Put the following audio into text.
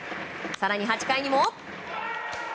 更に８回にも。